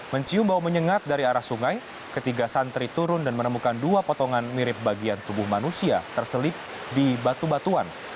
mencium bau menyengat dari arah sungai ketiga santri turun dan menemukan dua potongan mirip bagian tubuh manusia terselip di batu batuan